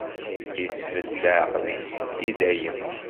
Isbedd leɛqed-is i dayem.